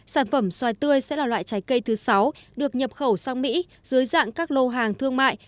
sản phẩm xoài tươi sẽ là loại trái cây thứ sáu được nhập khẩu sang mỹ dưới dạng các lô hàng thương mại